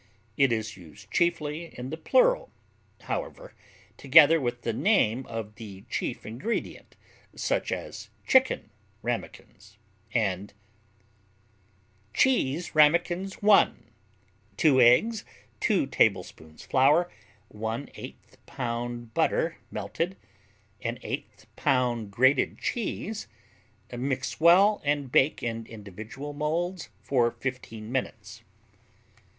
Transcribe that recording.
It is used chiefly in the plural, however, together with the name of the chief ingredient, such as "Chicken Ramekins" and: Cheese Ramekins I 2 eggs 2 tablespoons flour 1/8 pound butter, melted 1/8 pound grated cheese Mix well and bake in individual molds for 15 minutes.